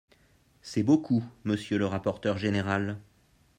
C’est beaucoup, monsieur le rapporteur général.